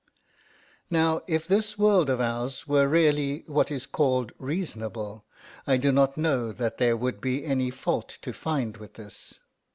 ..... Now, if this world of ours were really what is called reasonable, I do not know that there would be any fault to find with this.